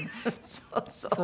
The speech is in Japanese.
そうそう。